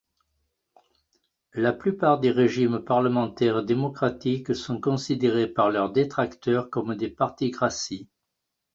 La plupart des régimes parlementaires démocratiques sont considérés par leurs détracteurs comme des particraties.